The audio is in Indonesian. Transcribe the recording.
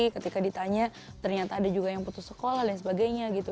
ketika ditanya ternyata ada juga yang putus sekolah dan sebagainya gitu